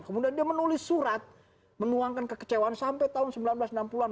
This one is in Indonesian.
kemudian dia menulis surat menuangkan kekecewaan sampai tahun seribu sembilan ratus enam puluh an